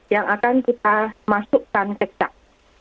yang akan kita masukkan kecak